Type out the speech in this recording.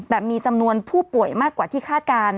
แต่มีจำนวนผู้ป่วยมากกว่าที่คาดการณ์